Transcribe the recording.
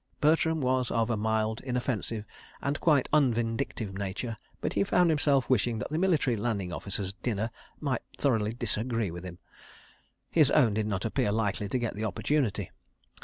... Bertram was of a mild, inoffensive and quite unvindictive nature, but he found himself wishing that the Military Landing Officer's dinner might thoroughly disagree with him. ... His own did not appear likely to get the opportunity.